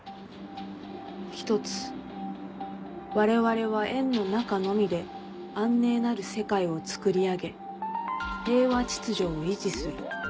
「一、我々は円の中のみで安寧なる世界を創り上げ平和秩序を維持する」